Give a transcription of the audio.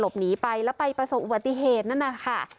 หนีไปแล้วไปประสบอุบัติเหตุนั่นนะคะ